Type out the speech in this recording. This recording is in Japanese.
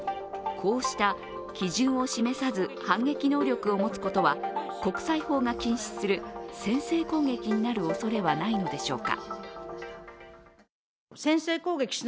こうした基準を示さず、反撃能力を持つことは国際法が禁止する先制攻撃になるおそれはないのでしょうか。